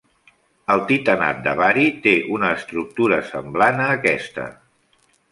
El titanat de bari té una estructura semblant a aquesta.